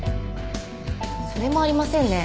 それもありませんね。